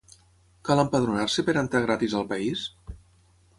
Cal empadronar-se per entrar gratis al país?